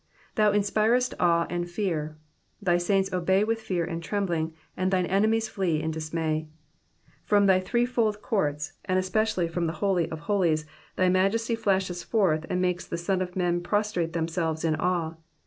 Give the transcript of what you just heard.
'''' Thou inspirest awe and fear. Thy saints obey with fear and trembling, and thine enemies flee in dis may. From thy threefold courts, and especially from the holy of holies, thy majesty flashes forth and makes the sons of men prostrate themselves in awe.